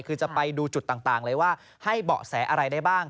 คือจะไปดูจุดต่างเลยว่าให้เบาะแสอะไรได้บ้าง